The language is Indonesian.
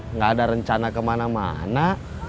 nggak ada rencana kemana mana